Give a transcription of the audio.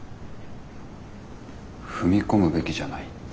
踏み込むべきじゃないって。